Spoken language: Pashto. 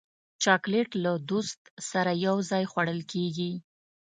چاکلېټ له دوست سره یو ځای خوړل کېږي.